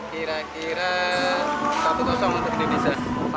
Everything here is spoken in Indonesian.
kira kira satu untuk indonesia